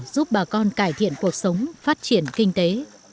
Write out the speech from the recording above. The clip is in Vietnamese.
giúp bà con cải thiện cuộc sống phát triển kinh tế